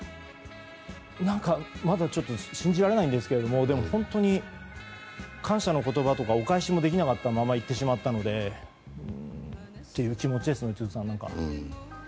まだちょっと信じられないんですがでも、本当に感謝の言葉とかお返しもできなかったまま逝ってしまったのでという気持ちですね。